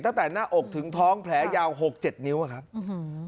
ตั้งแต่หน้าอกถึงท้องแผลยาวหกเจ็ดนิ้วอะครับอื้อหือ